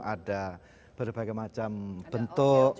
ada berbagai macam bentuk